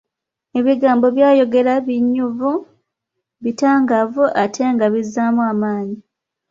Ebigambo by'ayogera binyuvu, bitangaavu ate nga bizzaamu amaanyi.